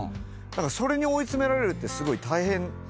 それに追い詰められるってすごい大変じゃないですか。